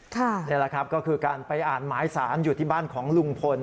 นี่แหละครับก็คือการไปอ่านหมายสารอยู่ที่บ้านของลุงพล